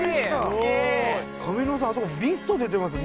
上沼さんあそこミスト出てますよ！